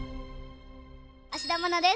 芦田愛菜です。